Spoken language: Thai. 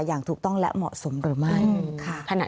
แย่เลยครับ